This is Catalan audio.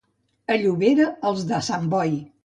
A Llobera, els de Sant Boi.